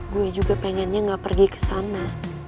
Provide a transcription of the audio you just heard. gue juga pengennya gak pergi ke sana